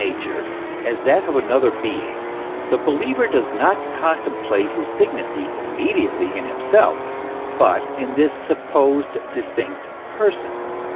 nature as that of another being, the believer does not con template his dignity immediately in himself, but in this sup posed distinct person.